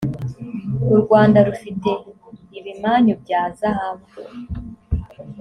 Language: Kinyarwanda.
u rwanda rufite ibimanyu bya zahabu